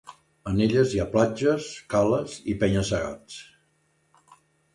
En elles hi ha platges, cales i penya-segats.